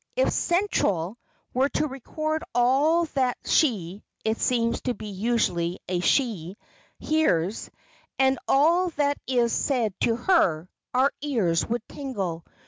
If "Central" were to record all that she (it seems to be usually a "she") hears, and all that is said to her, our ears would tingle.